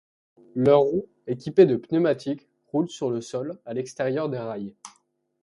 Leurs roues équipées de pneumatiques roulent sur le sol, à l'extérieur des rails.